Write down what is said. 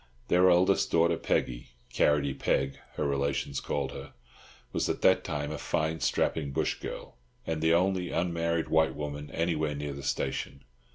Their eldest daughter, Peggy—"Carrotty Peg," her relations called her—was at that time a fine, strapping, bush girl, and the only unmarried white woman anywhere near the station.